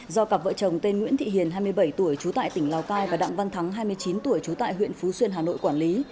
do cặp vợ chồng tên nguyễn thị hiền hai mươi bảy tuổi trú tại tỉnh lào cai và đặng văn thắng hai mươi chín tuổi trú tại huyện phú xuyên hà nội quản lý